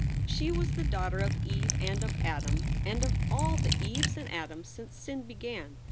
She was the daughter of Eve and of Adam and of all of the Eves and Adams since sin began.